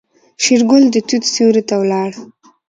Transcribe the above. شېرګل د توت سيوري ته ولاړ.